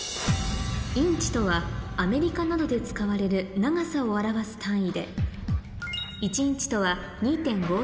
インチとはアメリカなどで使われる長さを表す単位でここで問題です